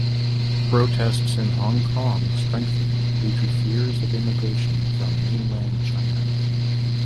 Protests in Hong Kong strengthened due to fears of immigration from mainland China.